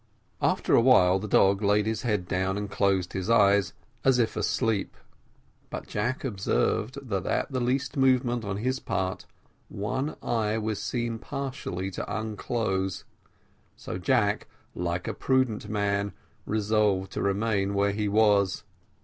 After a while the dog laid his head down and closed his eyes as if asleep, but Jack observed, that at the least movement on his part one eye was seen to partially unclose; so Jack, like a prudent man, resolved to remain where he was.